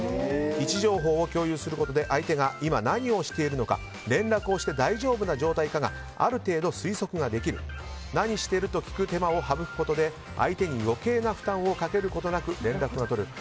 位置情報を共有することで相手が今何をしているのか連絡をして大丈夫な状態かある程度推測ができる何してる？と聞く手間を省くことで相手に余計な負担をかけることなく連絡が取れる。